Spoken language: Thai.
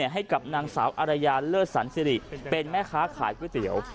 ให้กับนางสาวอารยาเลิศสันสิริเป็นแม่ค้าขายก๋วยเตี๋ยว